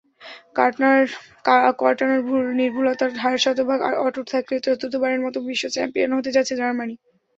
কর্টানার নির্ভুলতার হার শতভাগ অটুট থাকলে চতুর্থবারের মতো বিশ্বচ্যাম্পিয়ন হতে যাচ্ছে জার্মানি।